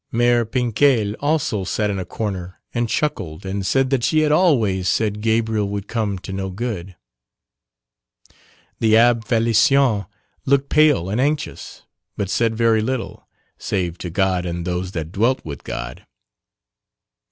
Mère Pinquèle also sat in a corner and chuckled and said that she had always said Gabriel would come to no good. The Abbé Félicien looked pale and anxious, but said very little, save to God and those that dwelt with God.